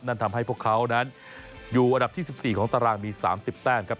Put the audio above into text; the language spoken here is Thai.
นั่นทำให้พวกเขานั้นอยู่อันดับที่๑๔ของตารางมี๓๐แต้มครับ